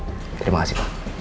terima kasih pak